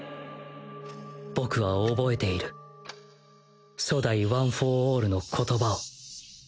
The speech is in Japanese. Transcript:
僕は覚えている初代ワン・フォー・オールの言葉を。